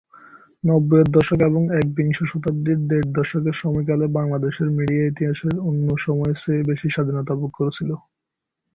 নব্বইয়ের দশক এবং একবিংশ শতাব্দীর দেড় দশকের সময়কালে বাংলাদেশের মিডিয়া ইতিহাসের অন্য সময়ের চেয়ে বেশি স্বাধীনতা ভোগ করেছিল।